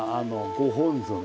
ご本尊。